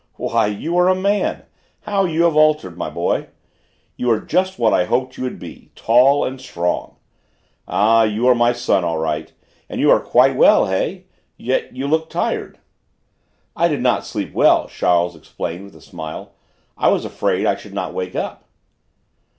"Why, you are a man! How you have altered, my boy! You are just what I hoped you would be: tall and strong! Ah, you are my son all right! And you are quite well, hey? Yet you look tired." "I did not sleep well," Charles explained with a smile. "I was afraid I should not wake up."